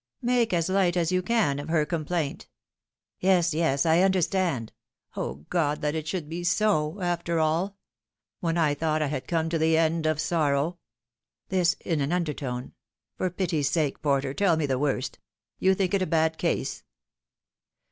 Make as light as you can of her complaint." " Yes, yes. I understand. O God, that it should be so, after all ; when I thought I had come to the end of sorrow !" This in an undertone. " For pity's sake, Porter, tell me the worst I You think it a bad case